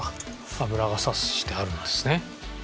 油が差してあるんですね。